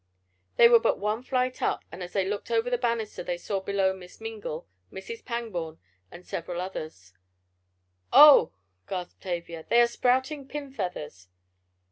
They were but one flight up, and as they looked over the banister they saw below Miss Mingle, Mrs. Pangborn and several others. "Oh!" gasped Tavia, "they are sprouting pin feathers!"